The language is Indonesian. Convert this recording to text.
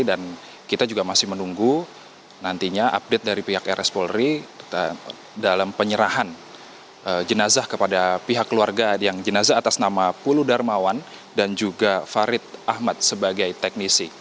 dan kita juga masih menunggu nantinya update dari pihak rs polri dalam penyerahan jenazah kepada pihak keluarga yang jenazah atas nama puludarmawan dan juga farid ahmad sebagai teknisi